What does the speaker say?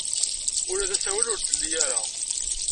Ula d asawal ur t-tli ara.